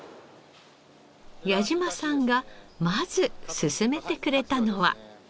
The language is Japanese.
矢嶋さんがまず勧めてくれたのは。